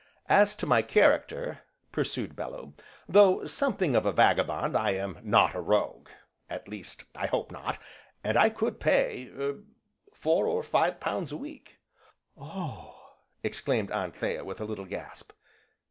"As to my character," pursued Bellew, "though something of a vagabond, I am not a rogue, at least, I hope not, and I could pay er four or five pounds a week " "Oh!" exclaimed Anthea, with a little gasp.